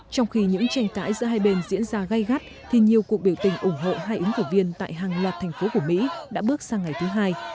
trong khi những tranh cãi giữa hai bên diễn ra gây gắt thì nhiều cuộc biểu tình ủng hộ hai ứng cử viên tại hàng loạt thành phố của mỹ đã bước sang ngày thứ hai